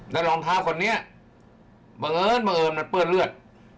แต่รองท้าคนนี้บังเอิญมันเปื้อนเลือด